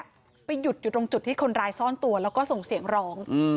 อันนี้ผู้หญิงบอกว่าช่วยด้วยหนูไม่ได้เป็นอะไรกันเขาจะปั้มหนูอะไรอย่างนี้